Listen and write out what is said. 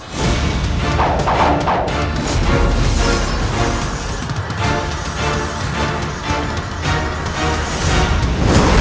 tidak ada yang bisa menghalangiku